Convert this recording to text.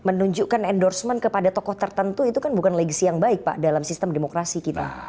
menunjukkan endorsement kepada tokoh tertentu itu kan bukan legacy yang baik pak dalam sistem demokrasi kita